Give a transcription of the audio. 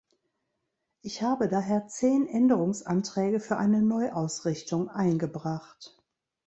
Ich habe daher zehn Änderungsanträge für eine Neuausrichtung eingebracht.